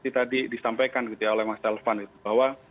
tadi disampaikan gitu ya oleh mas revan bahwa